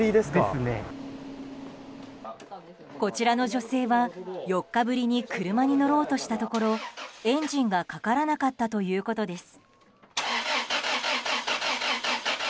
こちらの女性は、４日ぶりに車に乗ろうとしたところエンジンがかからなかったということです。